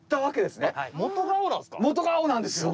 元が青なんですよ！